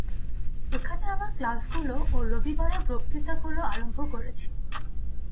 এখানে আমার ক্লাসগুলি ও রবিবারের বক্তৃতাগুলি আরম্ভ করেছি।